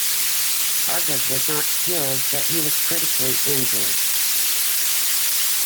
Argov was not killed, but he was critically injured.